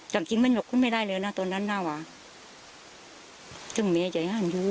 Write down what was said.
จากจริงไม่ได้เลยนะตอนนั้นแล้วอะยึ่งเมียใจห้ามดู